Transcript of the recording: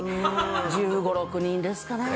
１５１６人ですかね。